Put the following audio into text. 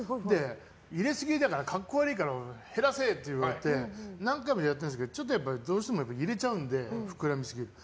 入れすぎだから、格好悪いから減らせ！って言われて何回もやってるんですけどどうしても入れちゃうので膨らみすぎる。